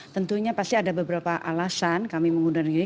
tentunya pasti ada beberapa alasan kami mengundurkan diri